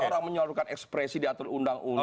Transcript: masa orang menyalurkan ekspresi di atur undang undang